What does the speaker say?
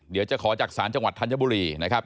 เดี๋ยวจะขอจากศาลจังหวัดธัญบุรีนะครับ